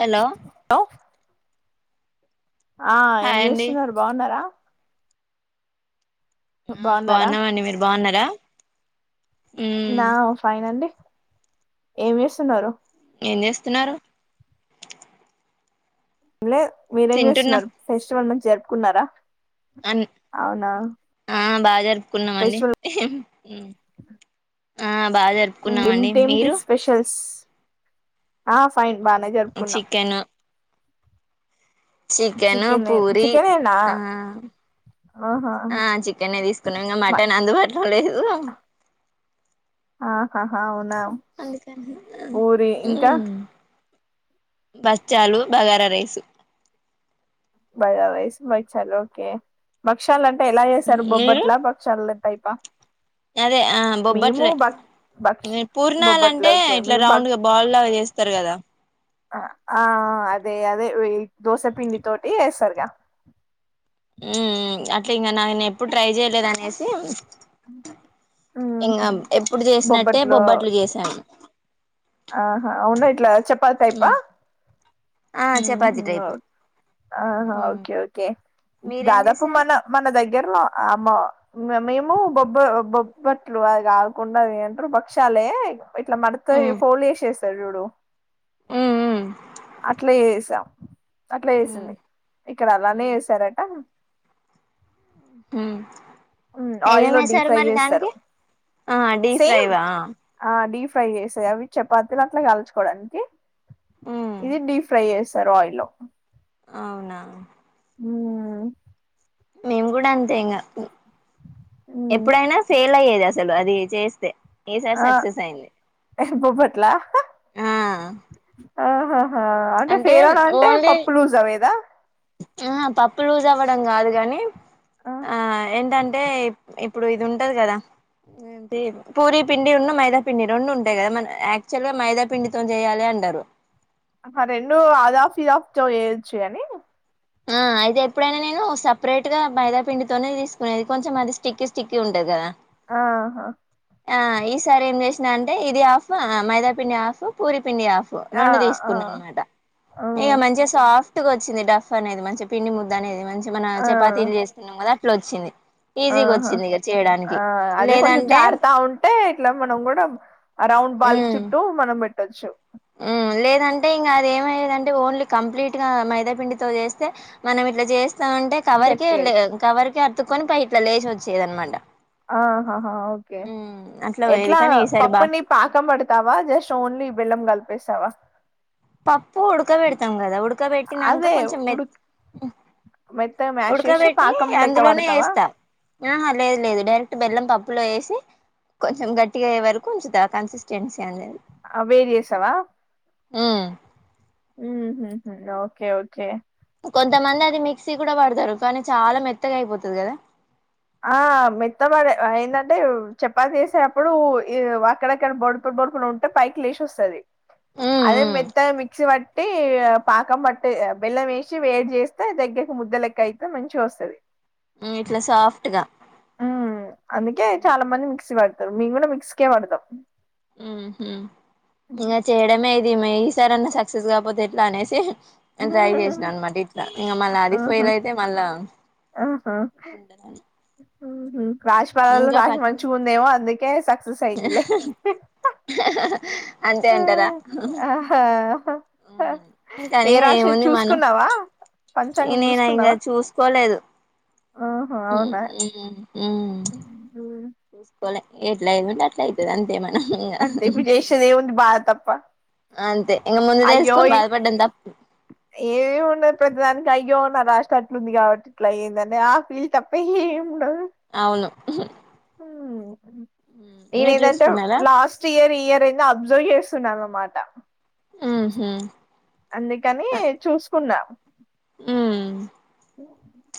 Hello hello ఆ ఏం hi అండి చేస్తున్నారు బాగున్నారా ఆ బాగున్నారా బాగున్నామండి మీరు బాగున్నారా ఉమ్ నా ఫైన్ అండి ఏం చేస్తున్నారు ఏం చేస్తున్నారు అలే మీరేం తింటున్నా చేస్తున్నారు ఫెస్టివల్ మంచి జరుపుకున్నారా అన్ అవునా ఆ బాగా జరుపుకున్నామండి [inaudible] ఫెస్టివల్ బాగా ఏ జరుపుకున్నామండి ఏటి మీరు స్పెషల్స్ ఆ ఫైన్ బాగా జరుపుకున్నాం చికెన్ చికెను చికెన్ పూరి చికెనేనా ఆ ఆహా ఆ చికెన్ తీసుకున్నాం ఇంగ మ- మటన్ అందుబాటులో లేదు ఆహా అవునా అందుకని పూరి ఇంకా ఉమ్ బచ్చాలు బగారా రైసు బజైస్ మక్షాలు ఓకే పక్షాలు అంటే ఎలా చేసారు మీరు బొబ్బట్లా పక్షాలు టైప్రహ అదే ఆ బొబ్బట్రే భక్ష పూర్ణాల బొబ్బట్లా అంటే ఓకే ఇట్లా మేము బ రౌండ్ గా బాల్ చేస్తారు కదా ఆ అదే అదే దోశపిండి తోటి వేస్తారుగా ఊహు అట్లా ఇంగ నాను ఎప్పుడు ట్రై చేయలేదునేసి ఇంగ ఊహు. ఎప్పుడు చేసినట్టే బొబ్బట్లో బొబ్బట్లు చేసాను ఆహా అవునా ఇట్లా చపాతి టైప్ ఆ ఆ చపాతీ టైప్ ఆహా ఓకే ఓకే మీరేం దాదాపు చేశారు మన మన దగ్గర్లో అమ్మ మేము బొబ్బ బొబ్బట్లు అది కాకుండా అది ఏమంటారు భక్ష్యాలే ఇట్లా మడత ఫోల్డ్ చేసేస్తారు చూడు ఉ ఉమ్ అట్లే చేసాం అట్లా చేసింది ఇక్కడ అలానే చేసారట హుం ఉమ్ ఆయిల్ డీప్ ఫ్రై చేస్తారు ఆ డీప్ సేమ్ ఫ్రైవా ఆ డిఫ్ ఫ్రై చేసాయి అవి చపాతీలు అట్లా కాల్చుకోవడానికి ఉమ్ ఇది డీప్ ఫ్రై చేస్త స్తరు ఆయిల్ లో అవునా ఉమ్ మేము కూడా అంతే ఇంగా మ్మ్ ఎప్పుడైనా ఫెయిల్ అయ్యేది అసలు అది చేస్తే ఈసారి సక్సెస్ అయింది బొబ్బట్లా ఆహా ఆ ఆ అంటే ఫేరనా అంటే పప్పు లూజ్ అవేదా అహా పప్పు లూజ్ అవ్వడం కాదు కాని ఆ ఏంటంటే ఇప్పుడు ఇది ఉంటది కదా ఏంటి పూరి పిండి ఉండు మైదా పిండి రెండు ఉంటాయి కదా యాక్చువల్గా మైదా పిండితోని చేయాలి అంటా రు ఆ రెండు అదాఫ్ ఇదాఫ్ వేయొచ్చు కాని ఆ అయితే ఎప్పుడైనా నేను సపరేట్ గా మైదా పిండితోనే తీసుకునేది కొంచెం అది స్టిక్కీ స్టిక్కీ ఉంటది కదా ఆహా ఆ ఈ సారి ఏం చేసినా అంటే ఇది హాఫ్ మైదా పిండి హాఫ్ పూరి పిండి హాఫ్ ఆ రెండు ఆ తీసుకున్నా అనమాట ఇక మ్మ్ మంచిగా సాఫ్ట్ గా వచ్చింది డఫ్ అనేది మంచి పిండి ముద్ద అనేది మంచి మన ఆ చపాతీలు చేస్తున్నాం కదా అట్లా వచ్చింది ఈజీగా ఆహా వచ్చింది ఇక చేయడం ఆ అదే కొంచెం జారతా ఉంటే ఇట్లా మనం కూడా ఆ రౌండ్ బాలికి ఉమ్ చుట్టూ మనం పెట్ ట్టచ్చు ఉమ్ లేదంటే ఇంకా అది ఏమయ్యదంటే ఓన్లీ కంప్లీట్ గా మైదాపిండితో చేస్తే మనం ఇట్లా చేస్తే స్త అంటే కవర్ కే గట్టిగా కవర్ కే అతుక్కొని పై ఇట్లా లేచి వచ్చేది అనమాట ఆహాహా ఓకే అట్లా పోయేది ఎట్లా కానీ ఈసారి బా పప్పుని పాకం పడతావా జస్ట్ ఓన్లీ బెల్లం కలిపేసావా పప్పు ఉడకబెడతాం కదా ఉడకబెట్టినాక అదే కొంచెం మె ఉడు మెత్తగా మ్యాష్ చేసి ఉడకబెట్టి పాకం లెక్క అందులోనే పడతావా వేస్తాం అహా లేదు లేదు డైరెక్ట్ బెల్లం పప్పులో వేసి కొంచెం గట్టిగయ్యే వరకు ఉంచుతా కన్సిస్టెన్సీ అనేది ఆ వేడి చేస్తావా ఉమ్ ఉమ్ ఉహుహు ఓకే ఓకే కొంతమంది అది మిక్సీ కూడా పడతారు కానీ చాలా మెత్తగా అయిపోతది కదా ఆ మెత్తబడ ఏందాంటే చపాతీ చేసే అప్పుడు ఈ అక్కడక్కడ బొడి పుట్ పడుకుని ఉంటే పైకి లేచి వస్తది అదే మెత్తగ మిక్సీ పట్టి పాకం పట్టి బెల్లం వేసి వేడి చేస్తే తగ్గ ముద్ద లెక్క అయితే మంచిగ వస్తుది ఉమ్ ఇట్లా సాఫ్ట్ గా ఉమ్ అందుకే చాలా మంది మిక్సీ మేము కూడా మిక్సి కే పడతాం ఉమ్ ఉహూ ఇంకా చేయడమే ఇది మ ఈసారన్న సక్సెస్ కాకపోతే ఎట్లా అనేసి ట్రై చేసినా అనమాట ఇట్లా ఇంకా మళ్ళా అది ఆహా ఫెయిల్ అయితే మళ్ళా రాశి ఫలాల్లో ఇంకా ప రాశి మంచిగా ఉందేమో అందుకే సక్సెస్ అయిందిలే అంతే అంటారా ఆహా కనీ ఏ ఇగ రాశి ఏముంది మనం చూసుకున్నావా పంచాంగం నేను ఇంగా చూసుకున్నావా చూసుకోలేదు ఉమ్ ఉ ఎట్లా అయ్యేదుంటే అట్లా అవుతుంది అంతే మనం ఇంగా అంతే ఇప్పుడు చేసేది అయ్యోయి తప్పు ఏమీ ఉన్నది ప్రతిదానికి అయ్యో నా రాశి అట్లుంది కాబట్టి ఇట్లా అయ్యిందని ఆ ఫీల్ తప్ప ఏం అవును మీరు నేనేఏందంటే చూసుకున్నారా లాస్ట్ ఇయర్ ఈ ఇయర్ ఏది అబ్జర్వ్ చేస్ చేస్తాను అన్నమాట ఉహు అందుకని చూసుకున్నా ఉమ్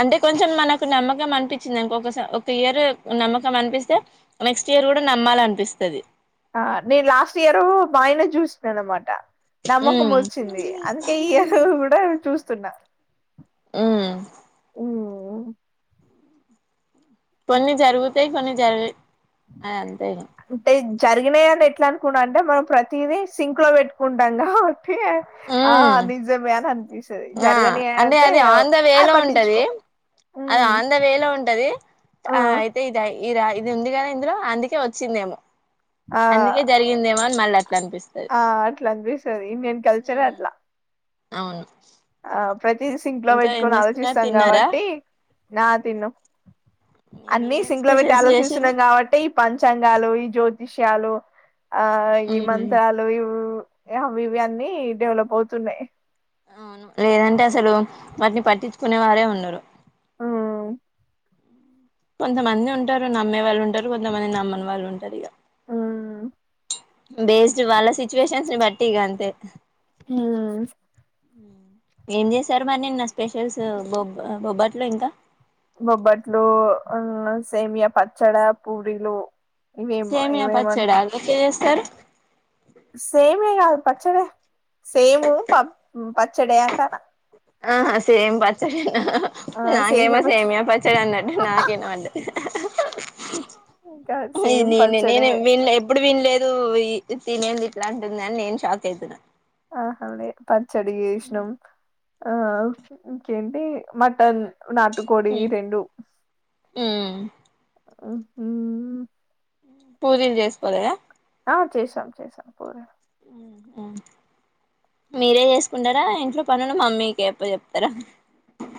అంటే కొంచెం మనకు నమ్మకం అనిపించిందిఅనుకో ఒక ఇయర్ నమ్మకం అనిపిస్తే నెక్స్ట్ ఇయర్ కూడా నమ్మ నమ్మాలనిపిస్తది ఆ నేను లాస్ట్ ఇయరు మా ఆయనది చూసిన అన్నమాట నమ్మకం ఉమ్ వచ్చింది అందుకే ఈ ఇయర్ కూడా చూస్తున్నా ఉమ్ ఉమ్ కొన్ని జరుగుతాయి కొన్ని జరుగై అది అంతే ఇగా జరిగినయని ఎట్లా అనుకున్నా అంటే మనం ప్రతీదీ సింక్ లో పెట్టుకుంటాం క ఆ ఉమ్ నిజమే అని అనిపిస్ ఆ అంటే అది ఆన్దవేలో ఉంటది పట్టించుకో అది హ్మ్ ఆన్దవేలో ఉంటది ఆ అయితే ఇది ఈ రా ఇది ఉంది కాద ఇందులో అందుకే వచ్చిందేమో ఆ అందుకే జరిగిందేమో అని మళ్ళ అ ఆ అట్లా అనిపిస్తది ఇండియన్ కల్చరే అట్లా అవును ఆ ప్రతీది సింక్ లో ఇంకా పెట్టి ఏం చేస్తున్నారు ఆలోచిస్తాం తిన్నారా కాబట్టి నా తిన్నం అన్ని మీరేం సింక్లో పెట్టి స్పెషల్స్ చేసిరు ఆలోచిస్తున్నాం కాబట్టి ఈ పంచాంగాలు ఈ జ్యోతిష్యాలు ఆ ఈ మంత్రాలు అవి ఇవి అన్నీ డెవలప్ అవుతున్నాయి అవును లేదంటే అసలు వాటిని పట్టించుకునే వారే ఉండరు హ్మ్ కొంతమంది ఉంటారు నమ్మే వాళ్ళు ఉంటారు కొంతమంది నమ్మని వాళ్ళు ఉంటారు ఇగా హ్మ్ బేస్డ్ వాళ్ళ సిచ్యువేషన్స్ ని బట్టి ఇగా అంతే ఉమ్ ఏం చేసారు మరి నిన్న స్పెషల్స్ బొబ్బ బొబ్బట్లు ఇంకా బొబ్బట్లు, ఆ సేమియ, పచ్చడ పూరీలు ఇవేమో సేమియా ఇవేమంట పచ్చడా అది ఎట్లా చేస్తారు సేమియా కాదు పచ్చడే సేము ప పచ్చడే అంటనా ఆహా సేమ్ పచ్చడే నా ఆ నాకేమో సేమియా సేమీయ పచ్చడి అన్నట్టు నాకు వినపడ్డది ఇంకా సేమ్ నేనే పచ్చడే నేనే వీళ్లు ఎప్పుడు వి లేదు ఈ తిను ఏంది ఇట్లా అంటుంది అని నేను షాక్ అయితున్న ఆహా పచ్చడి చేసినం ఆ ఇంకేంటి మటన్ నాటుకోడి రెండు ఉమ్ ఉహు పూరీలు చేసుకోలేదా ఆ చేసాం చేసాం కూర మీరే జేసుకుంటరా ఇంట్లో పనులు, మమ్మీకే అప్ప చెప్తర.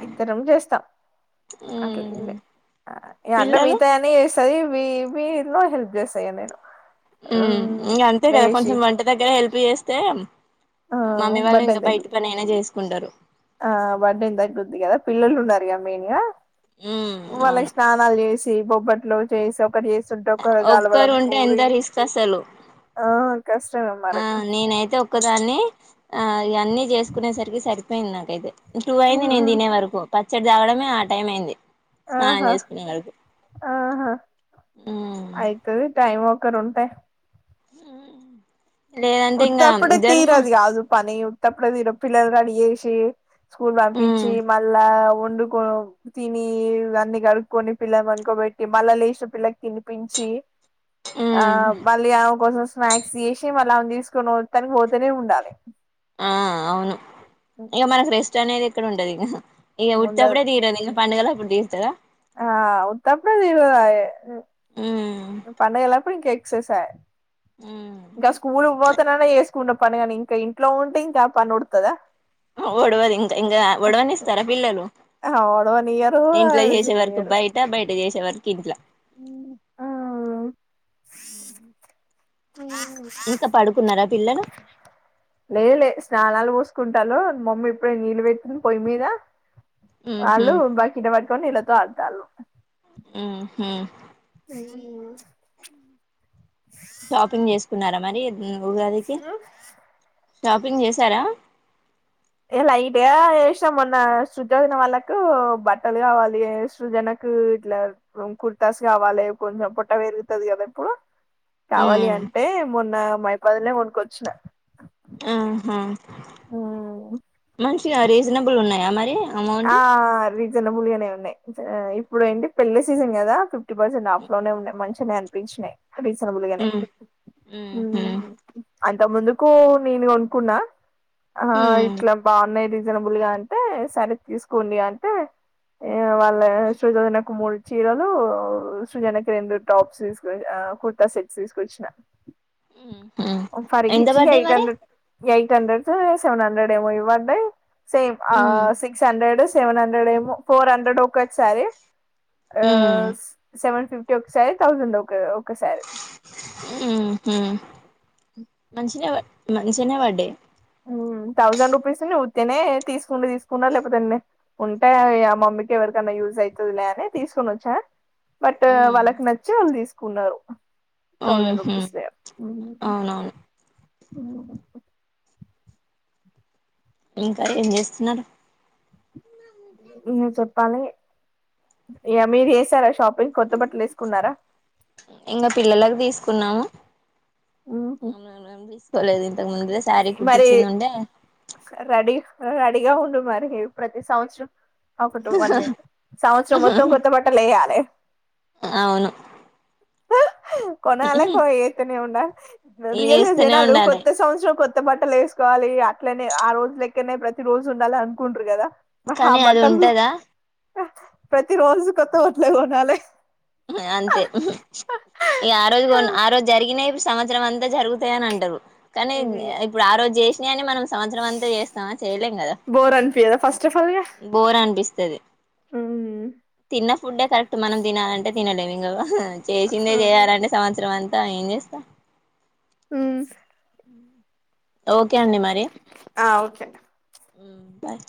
ఇద్దరం జేస్తాం అట్లేం మ్మ్ లే పిల్లలు అదే వీ మీలో హెల్ప్ చేస్తా ఇగ నేను ఉ ఇగ అంతే కదా లేసి కొంచెం వంట దగ్గర హెల్ప్ చేస్తే ఆ మమ్మీ వాళ్ళు ఇంగ బర్డన్ తగ్గు బయట పనైన జేసుకుంటారు ఆ బర్డన్ దగ్గుద్ది గదా, పిల్లలు ఉన్నారుగా మెయిన్ గా. మ్మ్ వాళ్ళకి అవును స్నానాలు జేసీ, బొబ్బట్లూ చేసి, ఒకటి చేసి. సొం [unintelligible] గాలవడం ఒక్కరు ఉంటే ఎంత పూరి రిస్క్ అసలు ఆ‌ కష్టమే మరిపు గాన్నీ ఆ ఇగ అన్నీ చేసుకునేసరికి సరిపోయింది నాకైతే టూ అయింది నేన్ దినే వరకు, పచ్చడి దాగడమే ఆ టైం అయింది. స్నానం ఆహా చేసుకునే వరకు ఆహా ఉమ్ అయితది టైము కనుంటే ఊఉ ఉత్తప్పుడే తీరేది కాదు పని తప్పుడే దినం పిల్లలు రెడీ చేేసీ, స్కూల్ ఉమ్ వంపిచ్చీ మళ్ళా ఓ ఒండుకో తినీ ఇవన్ని కలుప్కొని పిల్లన్ పనుకోబట్టి, మళ్ళ లేసి పిల్లకి తినిపించి. కి ఆ ఉమ్ మళ్లీ ఆమె కోసం స్నాక్స్ చేసి తే మళ్ళ ఆమెను తీసుకొని వత్తని పోతనే ఉండాలి ఆ అవును ఇగ మనకు రెస్ట్ అనేది ఎక్కడ ఉంటది ఇగ ఇగ ఉండదు ఉత్తప్పుడే దీరదు, ఇంగ పండుగ లాప్పుడు దీరుతదా. ఆ ఉత్తపుడే దీరదాయే ఉమ్ పండగలప్పుడు ఇంకా ఎక్సేసై, ఉమ్ ఇంకా స్కూల్ పోతేనన్న ఎస్. కున్న పని గాని ఇంక ఇంట్లో ఉంటే ఇంక ఆ పని ఊడుతదా. ఆ ఓడవదు ఇంకా ఇంగా ఒడవనిస్తారా పిల్లలు. ఓడవనియ్యరు ఇంట్లో చేసే వరకు చేయనియ్యరు బయట బయట చేసే వరకు ఇంట్ల ఇంకా పడుకున్నారా పిల్లలు లే లే స్నానాలు వోస్ కుంటాల్లు మమ్మీ ఇప్పుడే నీళ్ళు వెట్టింది పొయ్ మీద ఉహు వాళ్లు బకిట్ వట్కొని నీళ్లతో ఆడుతాల్లు ఊహు ఊమ్ షాపింగ్ జేసుకున్నారా మరి ఉ ఉగాదికి షాపింగ్ జేసారా ఏ లైట్గా ఏశ్నం మొన్న శృతి వదిన వాళ్ళకూ బట్టలు గావాలి సృజన. కూ ఇట్లా కుర్తాస్ గావాలె, కొంచెం పొట్ట వెరుగుతది గదా ఇప్పుడు. కావాలి ఉమ్ అంటే మొన్న మైపాదుల్నే కొనుకొచ్చిన ఆహా మంచిగా రీజనబుల్ ఉన్నాయా మరి అమౌంట్ ఆ రీజనబుల్గనే ఉన్నయ్ ఇప్పుడు ఏంటి పెళ్ళి సీజన్ గదా ఫిఫ్ టి పర్సెంట్ హాఫ్ లోనే ఉన్నయ్, మంచినే అనిపించినయ్. రీసనబులుగనే ఉమ్ ఊ ఉహు అంత ముందుకూ నేను కొనుక్కున్నా ఆ ఉమ్ ఇట్లా బాగున్నాయ్ ది రీజనబుల్ గా అంటే సరే తీసుకోండి అంటే ఇయ వాళ్ళ సృజ [unintelligible] మూడు చీరలూ, సృజనకి రెండు టాప్స్ తీసుక [unintelligible] అ ఆ కుర్తా సెట్స్ ఈస్కొచ్చిన, ఉహు ఫర్ ఎంత ఈచ్ పడ్డాయి ఎయిట్ మరి హండ్రెడ్ ఎయ్. టెండర్సూ సెవెన్ హండ్రెడేమో ఇవ్ వడ్డయ్ సేమ్ ఆ ఉమ్ సిక్ ఎడ్ సెవన్ హండ్రెడేమో ఫోర్ హండ్రెడ్ ఒకట్ సారి ఆ ఉమ్ సెవెన్ ఫిఫ్టీ ఒకసాయ్ థౌజండ్ ఒక ఒకసారి హూ మంచినె వ మంచియనే వడ్డయ్ ఊ థౌజండ్ రూపీస్ నీ ఉత్తినే తీసుకుంటే తీసుకుంటా లేకపోతే లే ఉంటే ఆ మమ్మీకి ఎవరికన్నా యూస్ అయితదిలే అని తీసుకుొని వచ్చా బట్ ఉమ్ వాళ్ళకి నచ్చి వాళ్ళు తీసుకున్నారు థౌసండ్ ఉహు రుపీస్ వే ఉం అవునవును ఉమ్ ఇంకా ఏం చేస్తున్నారు నువ్వే చెప్పాలి ఇగా మీరు చేస్తారా షాపింగ్ కొత్త బట్టలు ఎసుకున్నారా ఇంకా పిల్లలకు తీసుకున్నాము [inaudible] నేనేం తీసుకోలేదు ఇంతకు ముందుదే శారీ కుట్టించిిందిండే సా రెడీ రెడీగా ఉండు మరి ప్రతి సంవత్సరం ఒక టు వన్ మీ సంవత్సరం మొత్తం కొత్త బట్టలు ఎయాలే అవును కొనాలే కో ఏతనే ఉండ రియల్ ఏస్తూనే జనాలు ఉండాలి కొత్త సంవత్సరం కొత్త బట్టలు ఎసుకో వాలి ఇగ అట్లేనే ఆ రోజు లెక్కనే ప్రతి రోజు ఉండాలి అనుకుంటుారు కదా మరి ఆ కానీ అది బట్టలు ఉంటదా ప్రతి రోజు కొత్త బట్టలే కొన్నాాలే అంతే ఈ ఆ రోజు కొ ఆ రోజు జరిగినావి సంవత్సరం అంతా జరుగుతాయని అంటారు కానీ ఇప్పుడు ఆ రోజు చేసినా అని మనం సంవత్సరం అంతా చేస్తామా చేయలేం కదా బోర్ అనిపియదా ఫస్ట్ ఆఫ్ ఆల్ బోర్ అనిపిస్తుది గా తిన్న ఫుడ్డే కరెక్ట్ మనం తినాలంటే తినలేము ఇంకా చేసిందే చేయాలంటే సంవత్సరం అం తా ఏం చేస్తా ఉమ్ ఓకే అండి మరి ఆ ఓకే ఉమ్ బాయ్